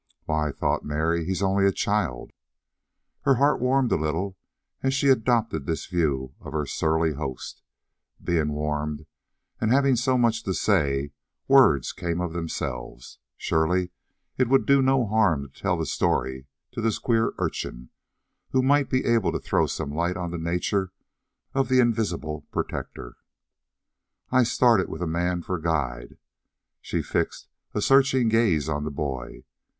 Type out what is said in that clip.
"Why," thought Mary, "he's only a child!" Her heart warmed a little as she adopted this view of her surly host. Being warmed, and having much to say, words came of themselves. Surely it would do no harm to tell the story to this queer urchin, who might be able to throw some light on the nature of the invisible protector. "I started with a man for guide." She fixed a searching gaze on the boy.